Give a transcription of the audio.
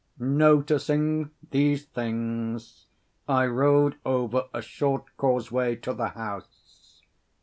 Noticing these things, I rode over a short causeway to the house.